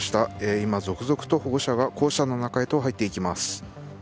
今、続々と保護者が校舎の中へと入っていきます。